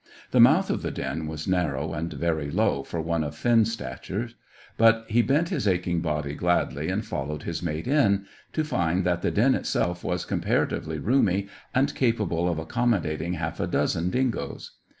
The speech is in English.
The mouth of the den was narrow and very low for one of Finn's stature, but he bent his aching body gladly and followed his mate in, to find that the den itself was comparatively roomy and capable of accommodating half a dozen dingoes.